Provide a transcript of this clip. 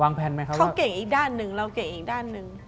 วางแพลนไหมเขาว่าเขาเก่งอีกด้านหนึ่งเราเก่งอีกด้านหนึ่ง